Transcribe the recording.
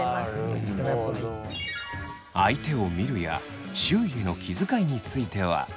相手を見るや周囲への気遣いについては。